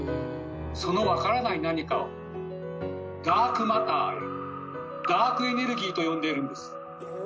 その分からない「何か」を「ダークマター」や「ダークエネルギー」と呼んでいるんです。